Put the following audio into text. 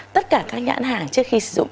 tất cả các nhãn hàng trước khi sử dụng